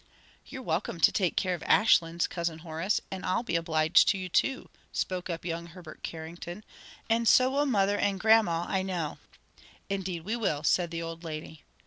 "You're welcome to take care of Ashlands, Cousin Horace, and I'll be obliged to you too," spoke up young Herbert Carrington "and so will mother and grandma, I know." "Indeed we will," said the old lady.